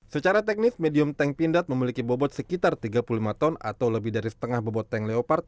secara teknis medium tank pindad memiliki bobot sekitar tiga puluh lima ton atau lebih dari setengah bobot tank leopard